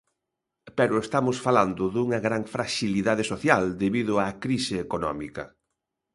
Pero estamos falando dunha gran fraxilidade social, debido á crise económica.